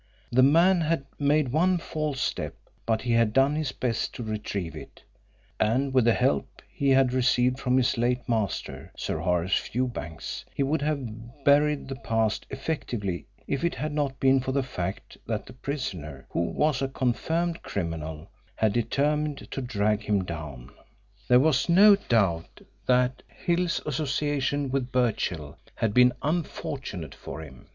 The man had made one false step but he had done his best to retrieve it, and with the help he had received from his late master, Sir Horace Fewbanks, he would have buried the past effectively if it had not been for the fact that the prisoner, who was a confirmed criminal, had determined to drag him down. There was no doubt that Hill's association with Birchill had been unfortunate for him.